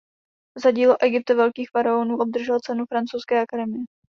Za dílo "Egypt velkých faraonů" obdržel cenu Francouzské akademie.